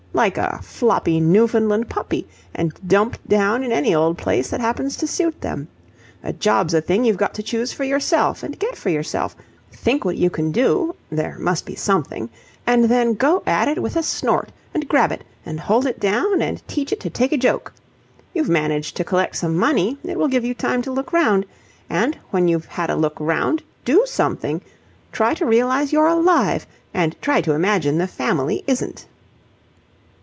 like a floppy Newfoundland puppy and dumped down in any old place that happens to suit them. A job's a thing you've got to choose for yourself and get for yourself. Think what you can do there must be something and then go at it with a snort and grab it and hold it down and teach it to take a joke. You've managed to collect some money. It will give you time to look round. And, when you've had a look round, do something! Try to realize you're alive, and try to imagine the family isn't!"